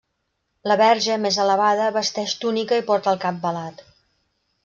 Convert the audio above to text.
La verge, més elevada, vesteix túnica i porta el cap velat.